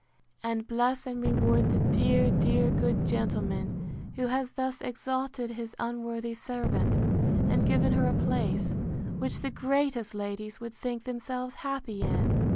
—And bless and reward the dear, dear, good gentleman, who has thus exalted his unworthy servant, and given her a place, which the greatest ladies would think themselves happy in!